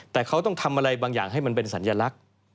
แต่เขาต้องทำอะไรบางอย่างให้มันเป็นสัญลักษณ์